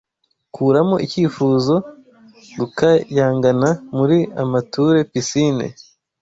Kuramo icyifuzo, Gukayangana muri amature 'pisine'